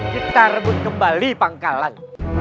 kita rebut kembali pangkalan